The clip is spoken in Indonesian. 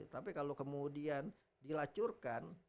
tapi kalau kemudian dilacurkan